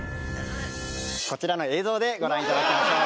こちらの映像でご覧いただきましょう。